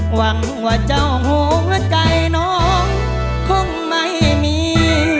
หวังว่าเจ้าหัวใจน้องคงไม่มี